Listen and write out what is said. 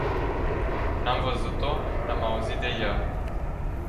N-am văzut-o, n-am auzit de ea.